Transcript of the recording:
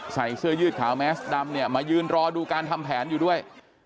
ใส่เสื้อยืดขาวแมสดำเนี่ยมายืนรอดูการทำแผนอยู่ด้วย